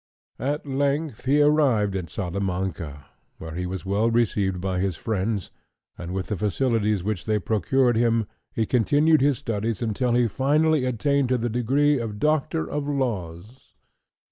At length he arrived at Salamanca, where he was well received by his friends, and with the facilities which they procured him, he continued his studies until he finally attained to the degree of doctor of laws.